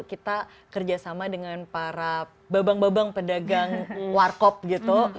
kita kerjasama dengan para babang babang pedagang warkop gitu